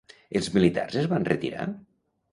Els militars es van retirar?